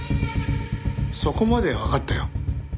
そこまではわかったよ。